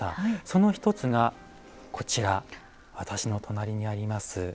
その一つがこちら私の隣にあります。